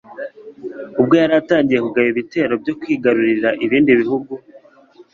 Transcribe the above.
ubwo yari atangiye kugaba ibitero byo kwigarurira ibindi bihugu